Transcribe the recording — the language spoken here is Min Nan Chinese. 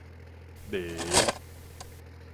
犁